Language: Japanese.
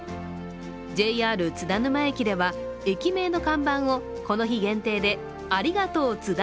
ＪＲ津田沼駅では駅名の看板をこの日限定でありがとうつだ